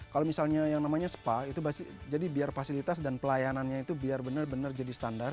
kalau misalnya yang namanya spa jadi biar fasilitas dan pelayanannya itu biar benar benar jadi standar